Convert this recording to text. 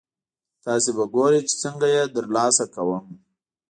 تاسې به ګورئ چې څنګه یې ترلاسه کوم.